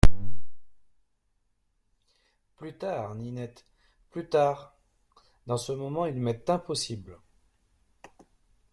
Plus tard, Ninette, plus tard ; dans ce moment il m’est impossible…